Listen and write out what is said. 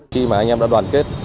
khi mà anh em đã đoàn kết